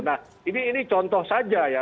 nah ini contoh saja ya